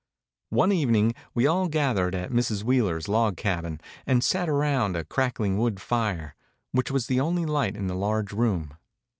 One evening we all gathered at Mrs. Wheeler's log cabin and sat around a crackling wood fire, which was the only light in the large room.